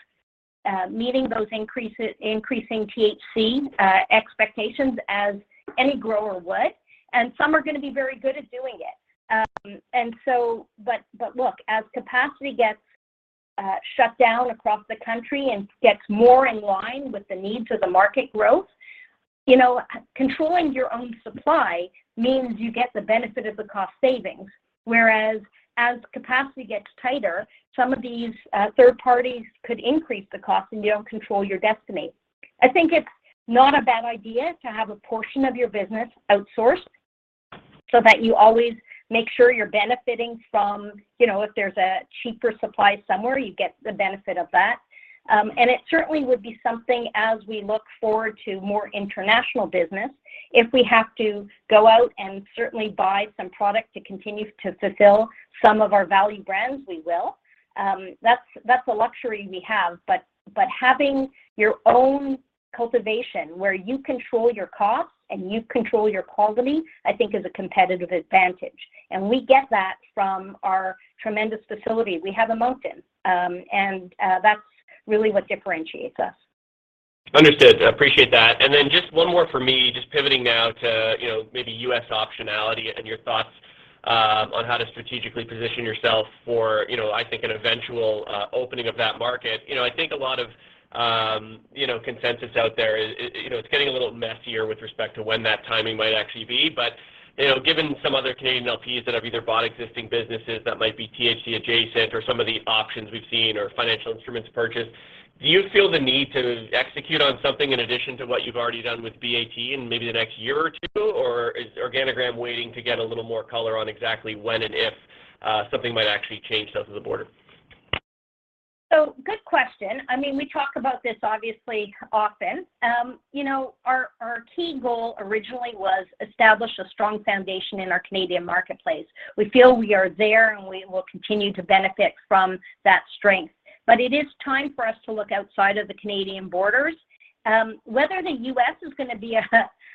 meeting those increases, increasing THC expectations as any grower would, and some are gonna be very good at doing it. Look, as capacity gets shut down across the country and gets more in line with the needs of the market growth, controlling your own supply means you get the benefit of the cost savings. Whereas as capacity gets tighter, some of these third parties could increase the cost, and you don't control your destiny. I think it's not a bad idea to have a portion of your business outsourced so that you always make sure you're benefiting from, you know, if there's a cheaper supply somewhere, you get the benefit of that. It certainly would be something as we look forward to more international business. If we have to go out and certainly buy some product to continue to fulfill some of our value brands, we will. That's the luxury we have. Having your own cultivation where you control your cost and you control your quality, I think is a competitive advantage. We get that from our tremendous facility we have in Moncton. That's really what differentiates us. Understood. I appreciate that. Just one more for me, just pivoting now to, you know, maybe U.S. optionality and your thoughts on how to strategically position yourself for, you know, I think an eventual opening of that market. You know, I think a lot of, you know, consensus out there is, you know, it's getting a little messier with respect to when that timing might actually be. You know, given some other Canadian LPs that have either bought existing businesses that might be THC adjacent or some of the options we've seen or financial instruments purchased, do you feel the need to execute on something in addition to what you've already done with BAT in maybe the next year or two? Is Organigram waiting to get a little more color on exactly when and if something might actually change south of the border? Good question. I mean, we talk about this obviously often. You know, our key goal originally was establish a strong foundation in our Canadian marketplace. We feel we are there, and we will continue to benefit from that strength. It is time for us to look outside of the Canadian borders. Whether the U.S. is gonna be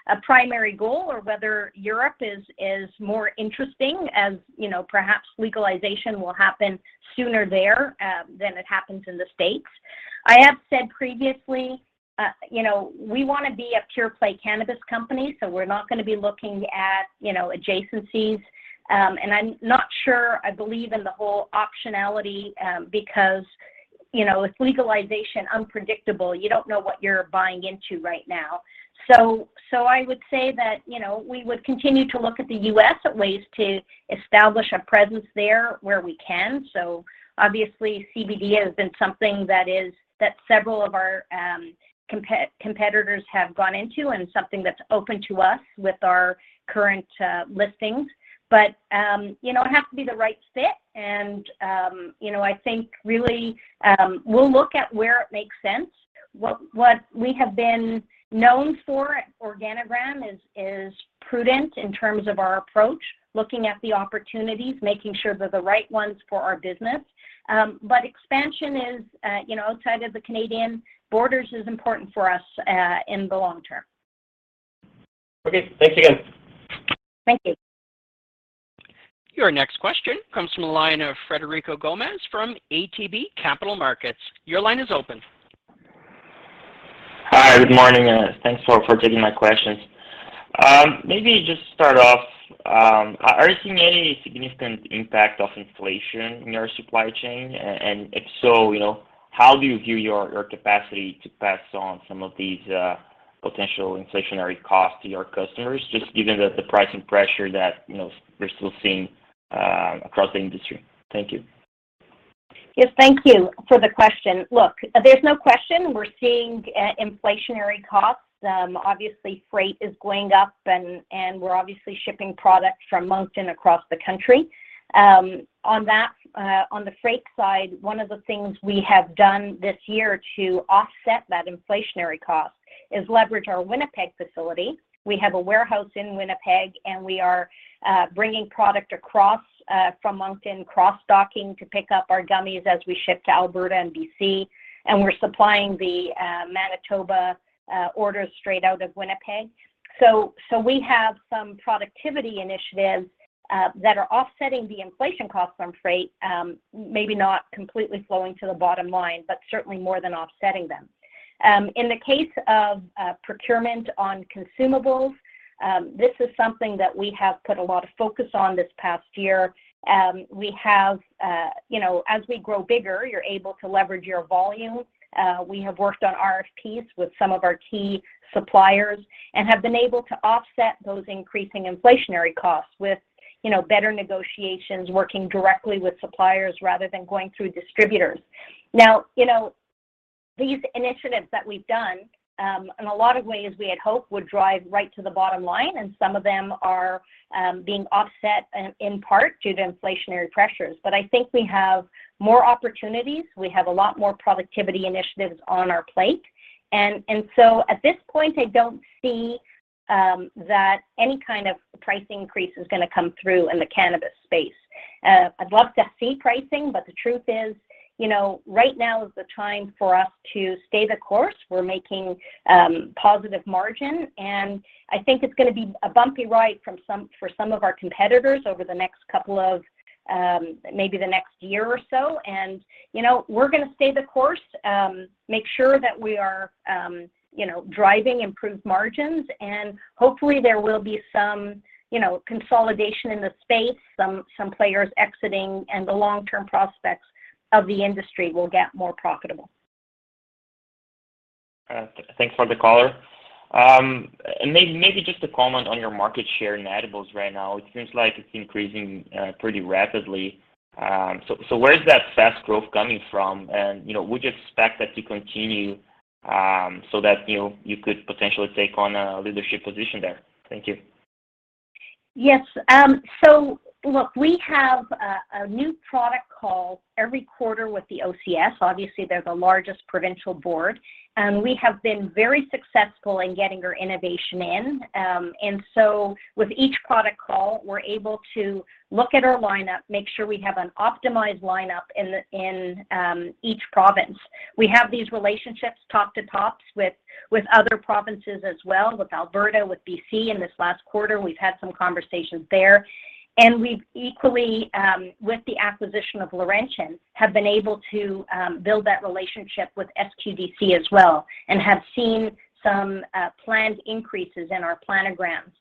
a primary goal or whether Europe is more interesting as, you know, perhaps legalization will happen sooner there than it happens in the States. I have said previously, you know, we wanna be a pure play cannabis company, so we're not gonna be looking at, you know, adjacencies. I'm not sure I believe in the whole optionality because, you know, with legalization unpredictable, you don't know what you're buying into right now. I would say that, you know, we would continue to look at the U.S. at ways to establish a presence there where we can. Obviously CBD has been something that several of our competitors have gone into and something that's open to us with our current listings. You know, it'd have to be the right fit and, you know, I think really we'll look at where it makes sense. What we have been known for at Organigram is prudent in terms of our approach, looking at the opportunities, making sure they're the right ones for our business. Expansion is, you know, outside of the Canadian borders is important for us in the long term. Okay. Thanks again. Thank you. Your next question comes from the line of Frederico Gomes from ATB Capital Markets. Your line is open. Hi. Good morning, and thanks for taking my questions. Maybe just start off, are you seeing any significant impact of inflation in your supply chain? And if so, you know, how do you view your capacity to pass on some of these potential inflationary costs to your customers, just given the pricing pressure that, you know, we're still seeing across the industry? Thank you. Yes. Thank you for the question. Look, there's no question we're seeing inflationary costs. Obviously freight is going up and we're obviously shipping product from Moncton across the country. On that, on the freight side, one of the things we have done this year to offset that inflationary cost is leverage our Winnipeg facility. We have a warehouse in Winnipeg, and we are bringing product across from Moncton, cross-docking to pick up our gummies as we ship to Alberta and BC, and we're supplying the Manitoba orders straight out of Winnipeg. So we have some productivity initiatives that are offsetting the inflation cost from freight, maybe not completely flowing to the bottom line, but certainly more than offsetting them. In the case of procurement on consumables, this is something that we have put a lot of focus on this past year. We have, you know, as we grow bigger, you're able to leverage your volume. We have worked on RFPs with some of our key suppliers and have been able to offset those increasing inflationary costs with, you know, better negotiations, working directly with suppliers rather than going through distributors. These initiatives that we've done, in a lot of ways we had hoped would drive right to the bottom line, and some of them are being offset in part due to inflationary pressures. I think we have more opportunities, we have a lot more productivity initiatives on our plate. At this point, I don't see that any kind of price increase is gonna come through in the cannabis space. I'd love to see pricing, but the truth is, you know, right now is the time for us to stay the course. We're making positive margin, and I think it's gonna be a bumpy ride for some of our competitors over the next couple of, maybe the next year or so. You know, we're gonna stay the course, make sure that we are, you know, driving improved margins, and hopefully there will be some, you know, consolidation in the space, some players exiting, and the long-term prospects of the industry will get more profitable. Thanks for the color. Maybe just a comment on your market share in edibles right now. It seems like it's increasing pretty rapidly. So where is that fast growth coming from? You know, would you expect that to continue, so that you know, you could potentially take on a leadership position there? Thank you. Yes. So look, we have a new product call every quarter with the OCS, obviously they're the largest provincial board, and we have been very successful in getting our innovation in. With each product call, we're able to look at our lineup, make sure we have an optimized lineup in each province. We have these relationships, top-to-tops, with other provinces as well, with Alberta, with BC in this last quarter, and we've had some conversations there. We've equally, with the acquisition of Laurentian, have been able to build that relationship with SQDC as well, and have seen some planned increases in our planograms.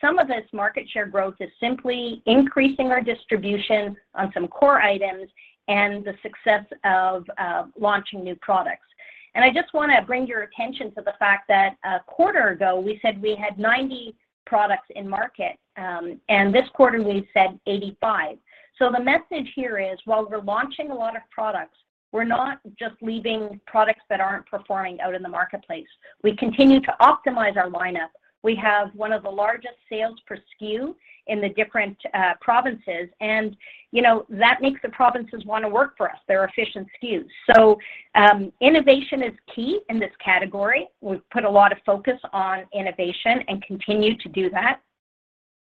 Some of this market share growth is simply increasing our distribution on some core items and the success of launching new products. I just wanna bring your attention to the fact that a quarter ago we said we had 90 products in market, and this quarter we said 85. The message here is while we're launching a lot of products, we're not just leaving products that aren't performing out in the marketplace. We continue to optimize our lineup. We have one of the largest sales per SKU in the different provinces and, you know, that makes the provinces wanna work for us. They're efficient SKUs. Innovation is key in this category. We've put a lot of focus on innovation and continue to do that,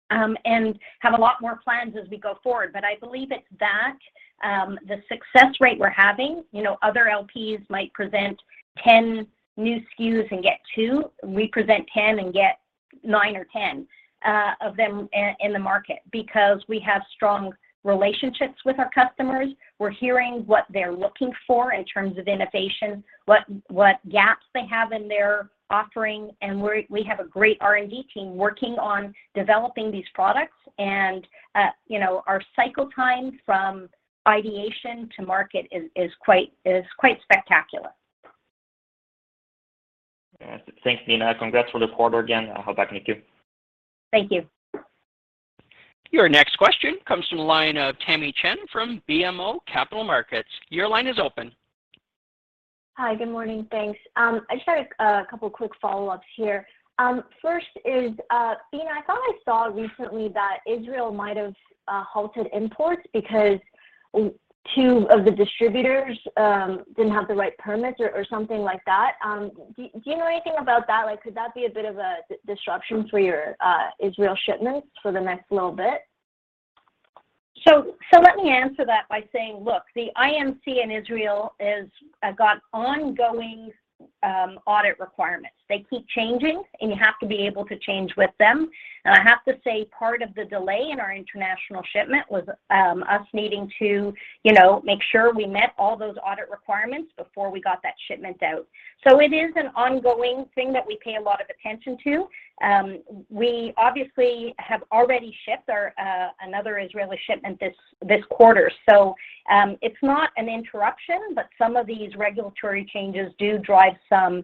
and have a lot more plans as we go forward. I believe it's that, the success rate we're having, you know, other LPs might present 10 new SKUs and get two. We present 10 and get nine or 10 of them in the market because we have strong relationships with our customers. We're hearing what they're looking for in terms of innovation, what gaps they have in their offering, and we have a great R&D team working on developing these products and, you know, our cycle time from ideation to market is quite spectacular. Yeah. Thanks, Beena. Congrats for this quarter again. I'll hop back in the que. Thank you. Your next question comes from the line of Tamy Chen from BMO Capital Markets. Your line is open. Hi. Good morning. Thanks. I just had a couple quick follow-ups here. First is, Beena, I thought I saw recently that Israel might have halted imports because two of the distributors didn't have the right permits or something like that. Do you know anything about that? Like, could that be a bit of a disruption for your Israel shipments for the next little bit? Let me answer that by saying, look, the IMC in Israel has ongoing audit requirements. They keep changing, and you have to be able to change with them. I have to say part of the delay in our international shipment was us needing to, you know, make sure we met all those audit requirements before we got that shipment out. It is an ongoing thing that we pay a lot of attention to. We obviously have already shipped another Israeli shipment this quarter. It's not an interruption, but some of these regulatory changes do drive some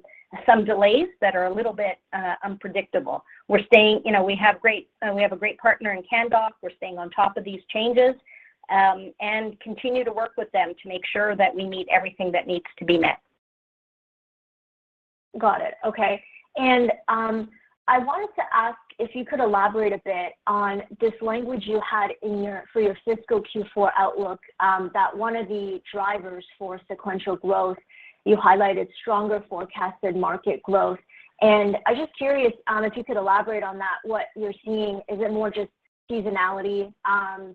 delays that are a little bit unpredictable. You know, we have a great partner in Canndoc. We're staying on top of these changes, and continue to work with them to make sure that we meet everything that needs to be met. Got it. Okay. I wanted to ask if you could elaborate a bit on this language you had for your fiscal Q4 outlook, that one of the drivers for sequential growth, you highlighted stronger forecasted market growth. I'm just curious, if you could elaborate on that, what you're seeing. Is it more just seasonality?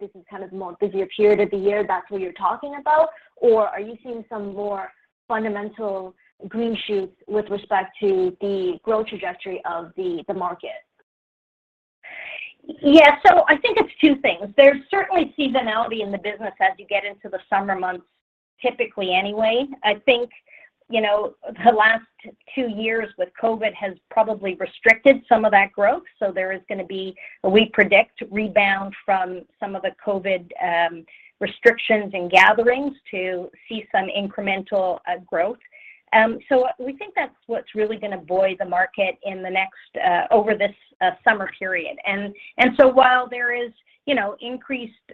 This is kind of more busier period of the year, that's what you're talking about, or are you seeing some more fundamental green shoots with respect to the growth trajectory of the market? Yeah. I think it's two things. There's certainly seasonality in the business as you get into the summer months, typically anyway. I think, you know, the last two years with COVID has probably restricted some of that growth, so there is gonna be, we predict, rebound from some of the COVID restrictions and gatherings to see some incremental growth. So we think that's what's really gonna buoy the market in the next over this summer period. So while there is, you know, increased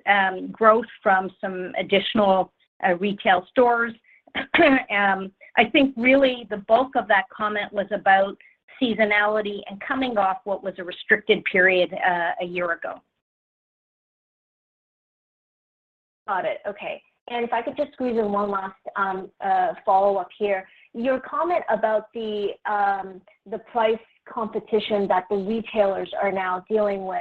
growth from some additional retail stores, I think really the bulk of that comment was about seasonality and coming off what was a restricted period a year ago. Got it. Okay. If I could just squeeze in one last follow-up here. Your comment about the price competition that the retailers are now dealing with,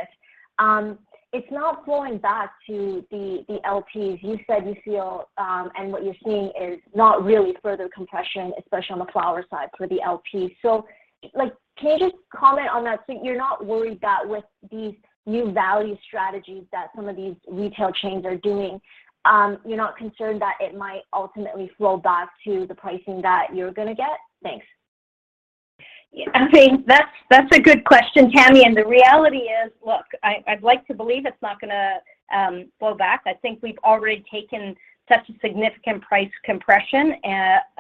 it's not flowing back to the LPs. You said you feel, and what you're seeing is not really further compression, especially on the flower side for the LPs. Like, can you just comment on that? You're not worried that with these new value strategies that some of these retail chains are doing, you're not concerned that it might ultimately flow back to the pricing that you're gonna get? Thanks. Yeah. I think that's a good question, Tammy, and the reality is, look, I'd like to believe it's not gonna flow back. I think we've already taken such a significant price compression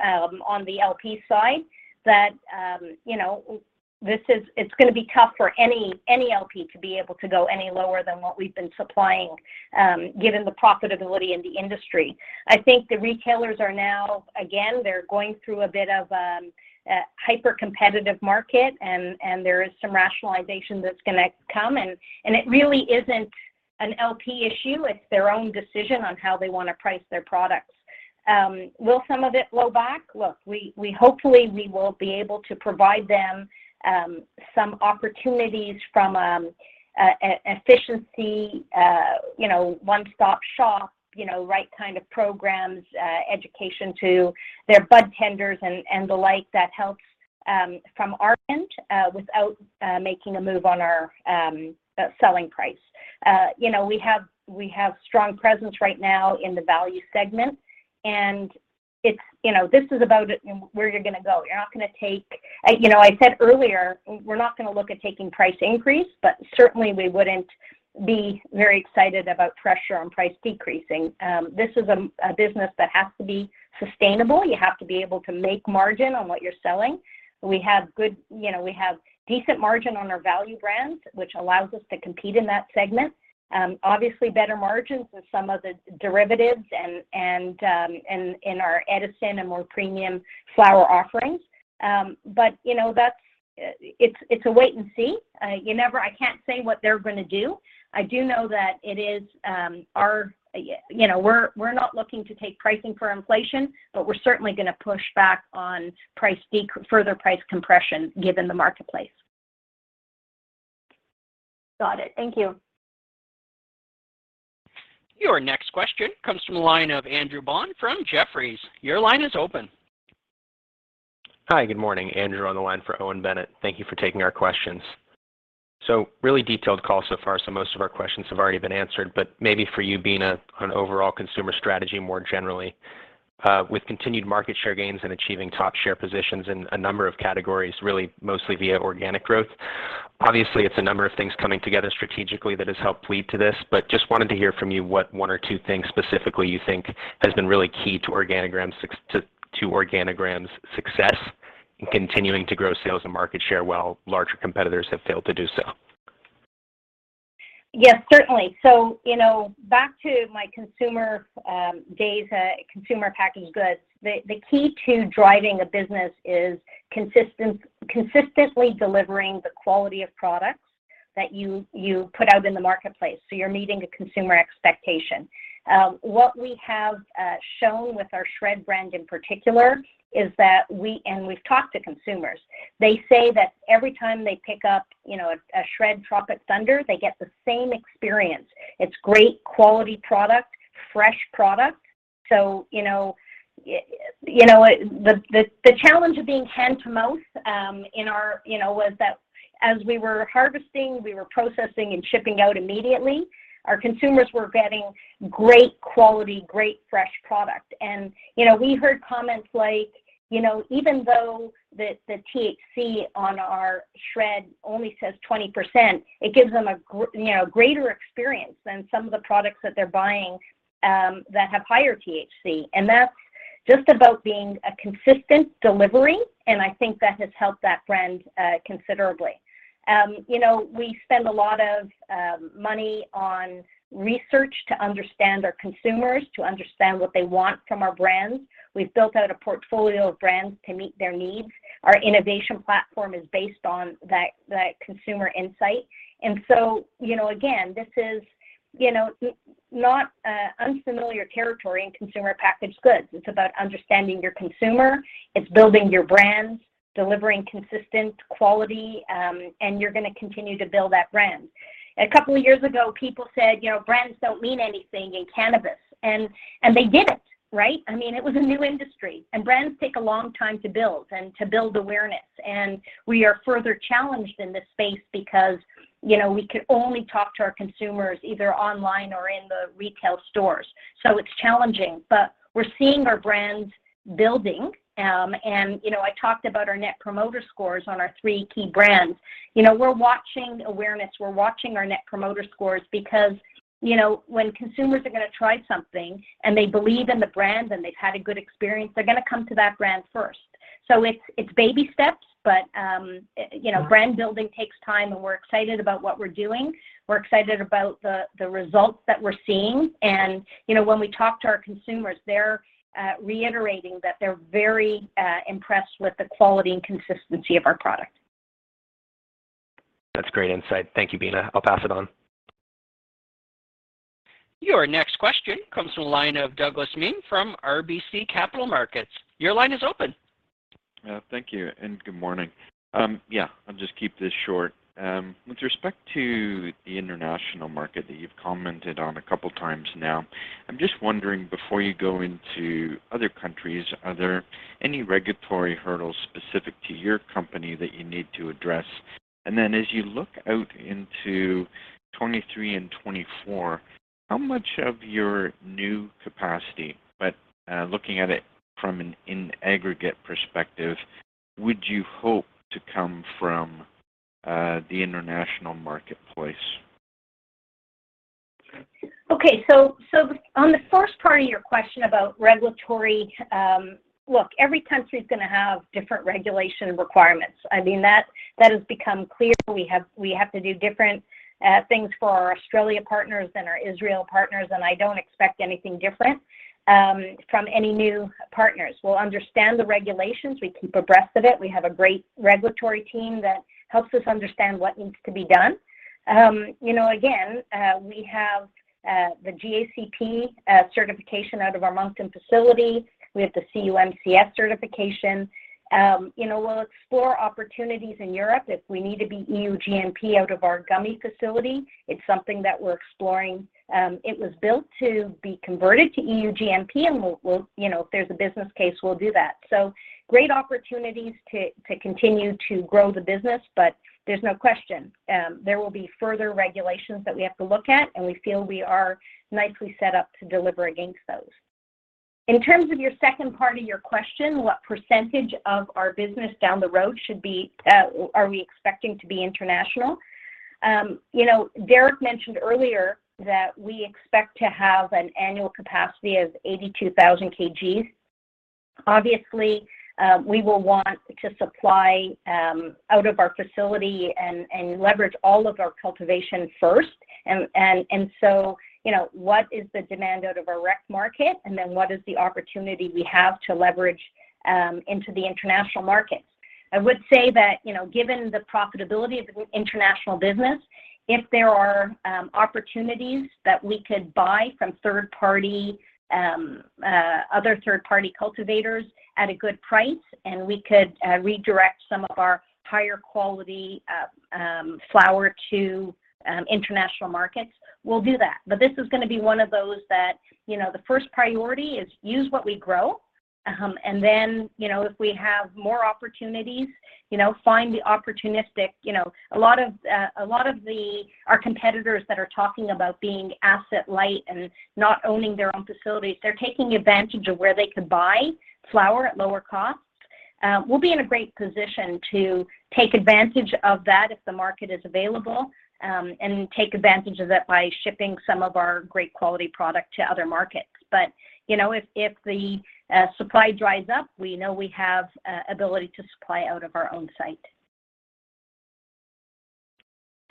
on the LP side that you know it's gonna be tough for any LP to be able to go any lower than what we've been supplying given the profitability in the industry. I think the retailers are now. Again, they're going through a bit of a hyper-competitive market and there is some rationalization that's gonna come and it really isn't an LP issue, it's their own decision on how they wanna price their products. Will some of it flow back? Look, hopefully, we will be able to provide them some opportunities from efficiency, you know, one-stop shop, you know, right kind of programs, education to their budtenders and the like that helps from our end without making a move on our selling price. You know, we have strong presence right now in the value segment, and it's, you know, this is about where you're gonna go. You're not gonna take. You know, I said earlier, we're not gonna look at taking price increase, but certainly we wouldn't be very excited about pressure on price decreasing. This is a business that has to be sustainable. You have to be able to make margin on what you're selling. You know, we have decent margin on our value brands, which allows us to compete in that segment. Obviously better margins with some of the derivatives and our Edison and more premium flower offerings. You know, that's it. It's a wait and see. I can't say what they're gonna do. I do know that it is our, you know, we're not looking to take pricing for inflation, but we're certainly gonna push back on further price compression given the marketplace. Got it. Thank you. Your next question comes from the line of Andrew Bond from Jefferies. Your line is open. Hi, good morning. Andrew on the line for Owen Bennett. Thank you for taking our questions. Really detailed call so far, so most of our questions have already been answered, but maybe for you, Beena, on overall consumer strategy more generally, with continued market share gains and achieving top share positions in a number of categories, really mostly via organic growth. Obviously, it's a number of things coming together strategically that has helped lead to this, but just wanted to hear from you what one or two things specifically you think has been really key to Organigram's success in continuing to grow sales and market share while larger competitors have failed to do so? Yes, certainly. You know, back to my consumer days, consumer packaged goods, the key to driving a business is consistently delivering the quality of products that you put out in the marketplace, so you're meeting the consumer expectation. What we have shown with our SHRED brand in particular is that we've talked to consumers. They say that every time they pick up, you know, a SHRED Tropic Thunder, they get the same experience. It's great quality product, fresh product. You know, you know, the challenge of being hand to mouth, in our, you know, was that as we were harvesting, we were processing and shipping out immediately. Our consumers were getting great quality, great fresh product. You know, we heard comments like, you know, even though the THC on our SHRED only says 20%, it gives them a greater experience than some of the products that they're buying, that have higher THC. That's just about being a consistent delivery, and I think that has helped that brand considerably. You know, we spend a lot of money on research to understand our consumers, to understand what they want from our brands. We've built out a portfolio of brands to meet their needs. Our innovation platform is based on that consumer insight. You know, again, this is not unfamiliar territory in consumer packaged goods. It's about understanding your consumer. It's building your brands, delivering consistent quality, and you're gonna continue to build that brand. A couple of years ago, people said, you know, brands don't mean anything in cannabis. They didn't, right? I mean, it was a new industry. Brands take a long time to build and to build awareness. We are further challenged in this space because, you know, we could only talk to our consumers either online or in the retail stores. It's challenging, but we're seeing our brands building. You know, I talked about our Net Promoter Score on our three key brands. We're watching awareness, we're watching our Net Promoter Score because, you know, when consumers are gonna try something and they believe in the brand and they've had a good experience, they're gonna come to that brand first. It's baby steps, but, you know, brand building takes time and we're excited about what we're doing. We're excited about the results that we're seeing. You know, when we talk to our consumers, they're reiterating that they're very impressed with the quality and consistency of our product. That's great insight. Thank you, Beena. I'll pass it on. Your next question comes from the line of Douglas Miehm from RBC Capital Markets. Your line is open. Thank you, and good morning. Yeah, I'll just keep this short. With respect to the international market that you've commented on a couple times now, I'm just wondering, before you go into other countries, are there any regulatory hurdles specific to your company that you need to address? Then as you look out into 2023 and 2024, how much of your new capacity, looking at it from an in-aggregate perspective, would you hope to come from the international marketplace? Okay. On the first part of your question about regulatory, look, every country is gonna have different regulatory requirements. I mean, that has become clear. We have to do different things for our Australian partners and our Israeli partners, and I don't expect anything different from any new partners. We'll understand the regulations. We keep abreast of it. We have a great regulatory team that helps us understand what needs to be done. You know, again, we have the GACP certification out of our Moncton facility. We have the CUMCS certification. You know, we'll explore opportunities in Europe if we need to be EU GMP out of our gummy facility. It's something that we're exploring. It was built to be converted to EU GMP, and we'll, you know, if there's a business case, we'll do that. Great opportunities to continue to grow the business, but there's no question, there will be further regulations that we have to look at, and we feel we are nicely set up to deliver against those. In terms of your second part of your question, what percentage of our business down the road should be, are we expecting to be international? You know, Derrick mentioned earlier that we expect to have an annual capacity of 82,000 kg. Obviously, we will want to supply out of our facility and leverage all of our cultivation first. You know, what is the demand out of our rec market? What is the opportunity we have to leverage into the international markets? I would say that, you know, given the profitability of international business, if there are opportunities that we could buy from third-party cultivators at a good price and we could redirect some of our higher quality flower to international markets, we'll do that. But this is gonna be one of those that, you know, the first priority is use what we grow, and then, you know, if we have more opportunities, you know, find the opportunistic. You know, a lot of our competitors that are talking about being asset light and not owning their own facilities, they're taking advantage of where they could buy flower at lower costs. We'll be in a great position to take advantage of that if the market is available, and take advantage of it by shipping some of our great quality product to other markets. You know, if the supply dries up, we know we have ability to supply out of our own site.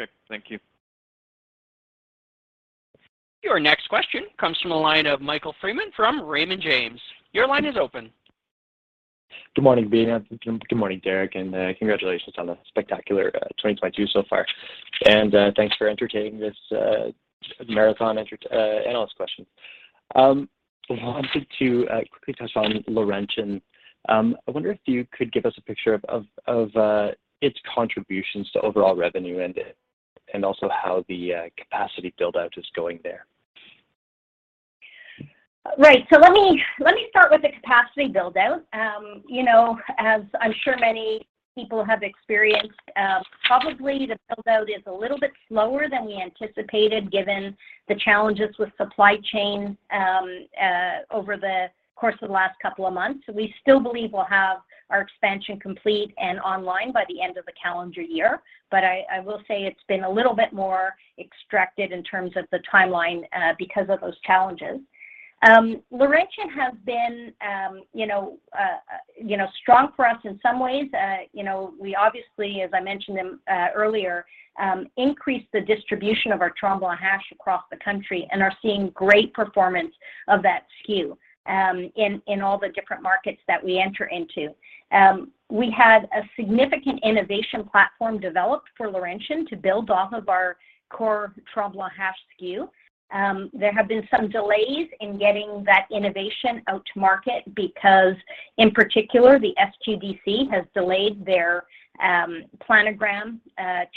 Okay. Thank you. Your next question comes from the line of Michael Freeman from Raymond James. Your line is open. Good morning, Beena. Good morning, Derrick, and congratulations on a spectacular 2022 so far. Thanks for entertaining this marathon analyst question. I wanted to quickly touch on Laurentian. I wonder if you could give us a picture of its contributions to overall revenue and also how the capacity build-out is going there. Right. Let me start with the capacity build-out. You know, as I'm sure many people have experienced, probably the build-out is a little bit slower than we anticipated given the challenges with supply chain over the course of the last couple of months. We still believe we'll have our expansion complete and online by the end of the calendar year. I will say it's been a little bit more extracted in terms of the timeline because of those challenges. Laurentian has been, you know, you know, strong for us in some ways. You know, we obviously, as I mentioned them earlier, increased the distribution of our Tremblant hash across the country and are seeing great performance of that SKU in all the different markets that we enter into. We had a significant innovation platform developed for Laurentian to build off of our core Tremblant hash SKU. There have been some delays in getting that innovation out to market because in particular, the SQDC has delayed their planogram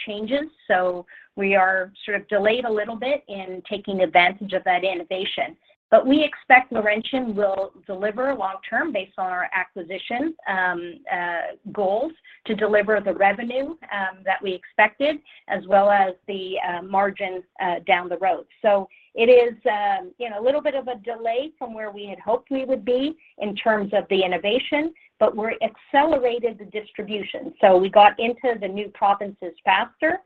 changes, so we are sort of delayed a little bit in taking advantage of that innovation. We expect Laurentian will deliver long term based on our acquisition goals to deliver the revenue that we expected, as well as the margins down the road. It is, you know, a little bit of a delay from where we had hoped we would be in terms of the innovation, but we've accelerated the distribution. We got into the new provinces faster.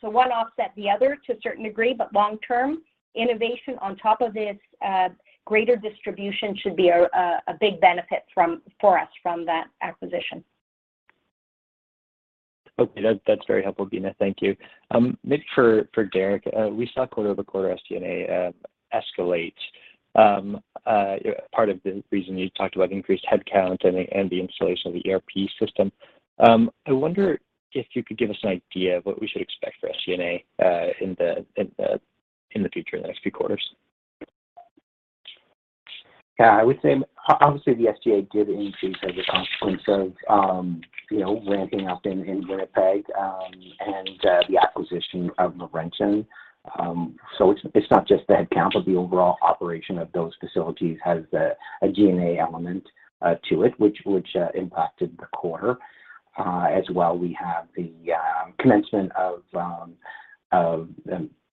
One offsets the other to a certain degree. Long-term, innovation on top of this greater distribution should be a big benefit for us from that acquisition. Okay, that's very helpful, Beena. Thank you. Maybe for Derrick, we saw quarter-over-quarter SG&A escalate. Part of the reason you talked about increased headcount and the installation of the ERP system. I wonder if you could give us an idea of what we should expect for SG&A in the future, the next few quarters. Yeah, I would say obviously the SG&A did increase as a consequence of, you know, ramping up in Winnipeg, and the acquisition of Laurentian. It's not just the headcount, but the overall operation of those facilities has a G&A element to it, which impacted the quarter. As well, we have the commencement of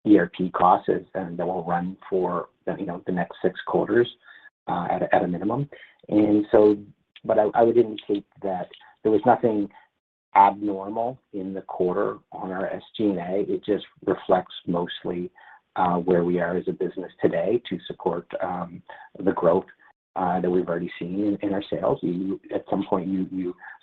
ERP costs and that will run for, you know, the next six quarters, at a minimum. I would indicate that there was nothing abnormal in the quarter on our SG&A. It just reflects mostly where we are as a business today to support the growth that we've already seen in our sales. At some point,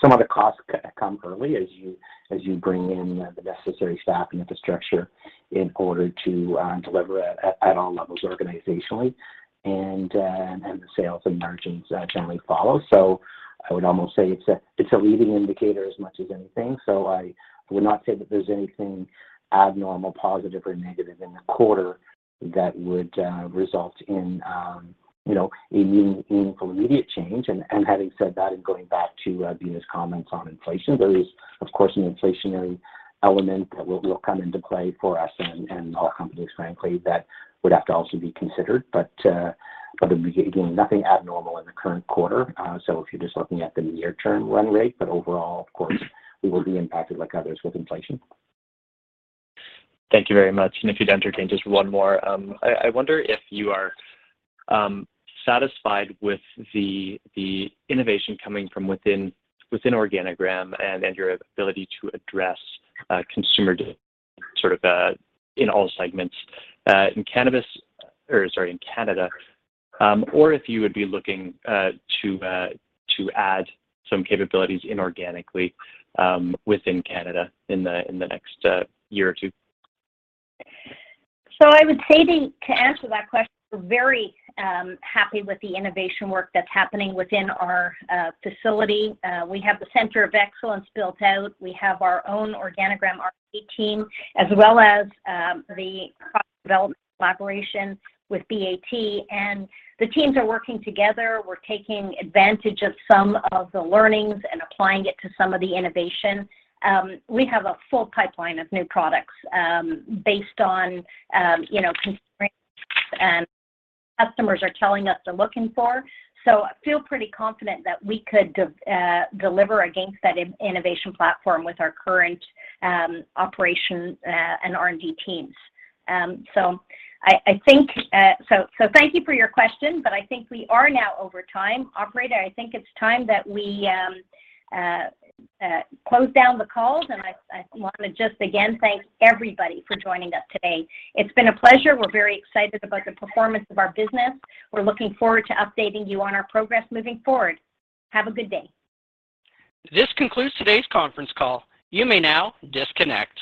some of the costs come early as you bring in the necessary staff and infrastructure in order to deliver at all levels organizationally and the sales and margins generally follow. I would almost say it's a leading indicator as much as anything. I would not say that there's anything abnormal, positive or negative in the quarter that would result in you know, a meaningful immediate change. Having said that, and going back to Beena's comments on inflation, there is of course an inflationary element that will come into play for us and all companies frankly that would have to also be considered. Again, nothing abnormal in the current quarter. If you're just looking at the near term run rate, but overall of course we will be impacted like others with inflation. Thank you very much. If you'd entertain just one more. I wonder if you are satisfied with the innovation coming from within Organigram and your ability to address consumer sort of in all segments in cannabis or sorry, in Canada, or if you would be looking to add some capabilities inorganically within Canada in the next year or two. To answer that question, we're very happy with the innovation work that's happening within our facility. We have the Center of Excellence built out. We have our own Organigram R&D team as well as the product development collaboration with BAT, and the teams are working together. We're taking advantage of some of the learnings and applying it to some of the innovation. We have a full pipeline of new products, based on, you know, constraints and customers are telling us they're looking for. I feel pretty confident that we could deliver against that innovation platform with our current operations and R&D teams. I think so. Thank you for your question, but I think we are now over time. Operator, I think it's time that we close down the call. I wanna just again thank everybody for joining us today. It's been a pleasure. We're very excited about the performance of our business. We're looking forward to updating you on our progress moving forward. Have a good day. This concludes today's conference call. You may now disconnect.